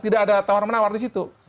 tidak ada tawar menawar disitu